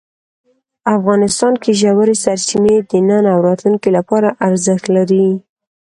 افغانستان کې ژورې سرچینې د نن او راتلونکي لپاره ارزښت لري.